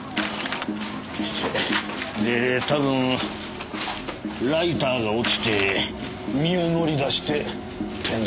失礼でたぶんライターが落ちて身を乗り出して転落。